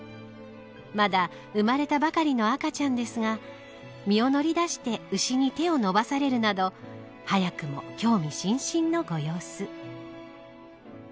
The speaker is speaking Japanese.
まだ生まれたばかりの赤ちゃんですが身を乗り出して牛に手を伸ばされるなど早くも興味津々のご様子。